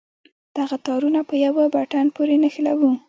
دغه تارونه په يوه بټن پورې نښلوو.